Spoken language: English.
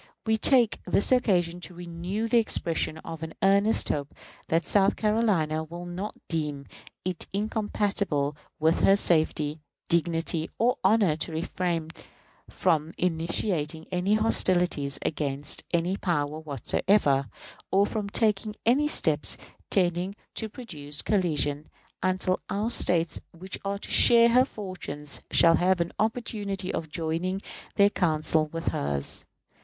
We take this occasion to renew the expression of an earnest hope that South Carolina will not deem it incompatible with her safety, dignity; or honor to refrain from initiating any hostilities against any power whatsoever, or from taking any steps tending to produce collision, until our States, which are to share her fortunes, shall have an opportunity of joining their counsels with hers.